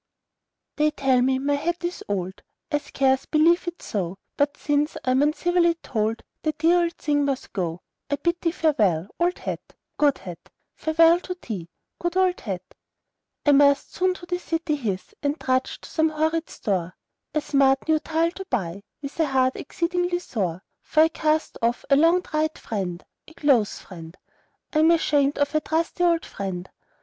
They tell me my hat is old! I scarce believe it so; But since I'm uncivilly told The dear old thing must go, I bid thee farewell, old hat, Good hat! Farewell to thee, good old hat! I must soon to the city his, And trudge to some horrid store, A smart new tile to buy, With a heart exceedingly sore, For I cast off a long tried friend, A close friend, I'm ashamed of a trusty old friend.